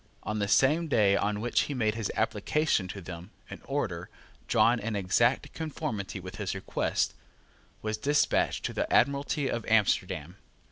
On the same day on which he made his application to them, an order, drawn in exact conformity with his request, was despatched to the Admiralty of Amsterdam.